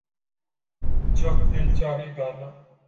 جب دل چاھے گانا